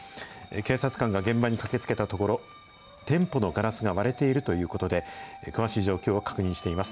警察官が現場に駆けつけたところ、店舗のガラスが割れているということで、詳しい状況を確認しています。